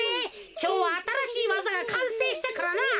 きょうはあたらしいわざがかんせいしたからな。